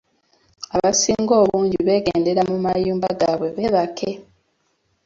Abasinga obungi baagendera mu mayumba gaabwe beebake.